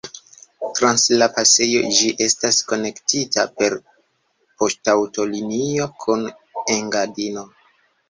Trans la pasejo ĝi estas konektita per poŝtaŭtolinio kun Engadino.